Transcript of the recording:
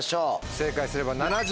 正解すれば。